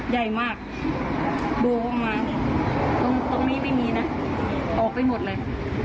ได่มากบวกออกมาตรงตรงนี้ไม่มีนะออกไปหมดเลย